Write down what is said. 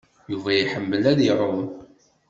Yuba iḥemmel ad iɛum.